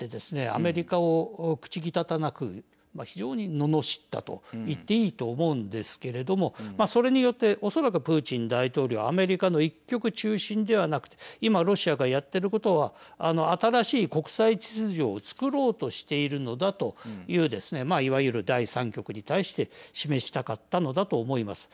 アメリカを口汚く非常にののしったと言っていいと思うんですけれどもそれによっておそらくプーチン大統領アメリカの一極中心ではなくて今、ロシアがやってることは新しい国際秩序を作ろうとしているのだというですねいわゆる第３極に対して示したかったのだと思います。